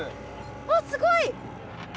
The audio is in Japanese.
あっすごい！